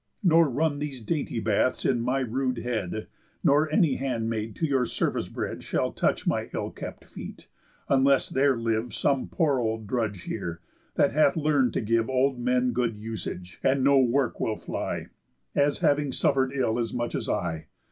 Nor run these dainty baths in my rude head; Nor any handmaid, to your service bred, Shall touch my ill kept feet, unless there live Some poor old drudge here, that hath learn'd to give Old men good usage, and no work will fly, As having suffer'd ill as much as I.